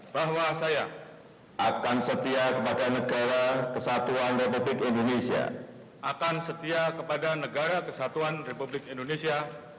bahwa saya akan setia kepada negara kesatuan republik indonesia